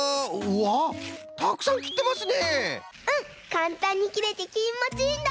かんたんにきれてきもちいいんだ！